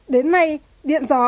đến nay điện gió